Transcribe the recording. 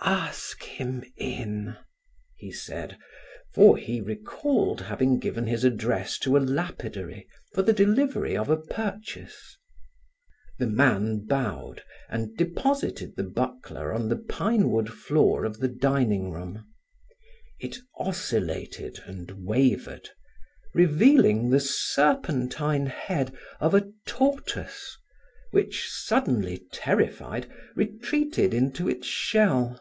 "Ask him in," he said, for he recalled having given his address to a lapidary for the delivery of a purchase. The man bowed and deposited the buckler on the pinewood floor of the dining room. It oscillated and wavered, revealing the serpentine head of a tortoise which, suddenly terrified, retreated into its shell.